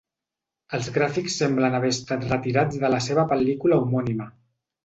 Els gràfics semblen haver estat retirats de la seva pel·lícula homònima.